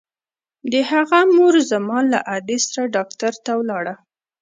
د هغه مور زما له ادې سره ډاکتر ته ولاړه.